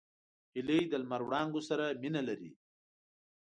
هیلۍ د لمر وړانګو سره مینه لري